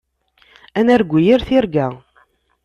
Ad nargu yir tirga.